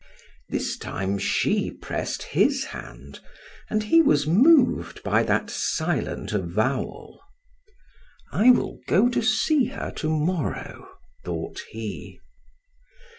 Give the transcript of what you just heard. This time she pressed his hand and he was moved by that silent avowal. "I will go to see her to morrow," thought he.